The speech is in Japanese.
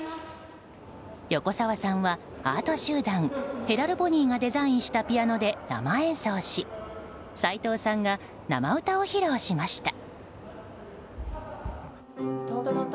横澤さんはアート集団ヘラルボニーばデザインしたピアノで生演奏し斎藤さんが生歌を披露しました。